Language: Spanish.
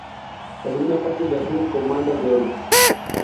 La segunda parte, de azul con bandas de oro.